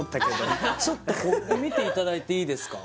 ちょっとこう見ていただいていいですか？